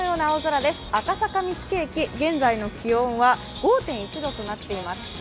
赤坂見附駅現在の気温は５．１度となっています